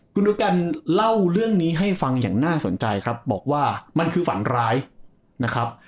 คุณดูกันเล่าเรื่องนี้ให้ฟังอย่างน่าสนใจครับบอกว่ามันคือฝันร้ายนะครับ